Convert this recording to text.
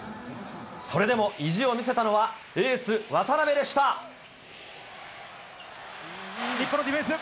それでも意地を見せたのは、日本のディフェンス。